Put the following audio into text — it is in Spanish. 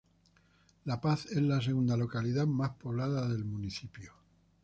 La Paz es la segunda localidad más poblada del municipio.